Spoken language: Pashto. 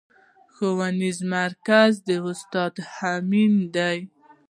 ښوونيز مرکز استاد هم امين دی.